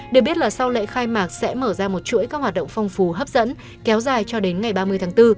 được biết là sau lễ khai mạc sẽ mở ra một chuỗi các hoạt động phong phú hấp dẫn kéo dài cho đến ngày ba mươi tháng bốn